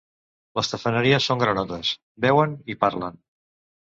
Les tafaneries són granotes, beuen i parlen.